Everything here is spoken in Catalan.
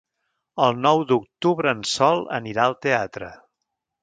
El nou d'octubre en Sol anirà al teatre.